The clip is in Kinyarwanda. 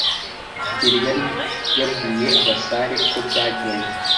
kigeli yari yabwiye abasare uko byagenze.